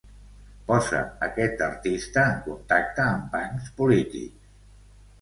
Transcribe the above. Posa aquest artista en contacte amb punks polítics.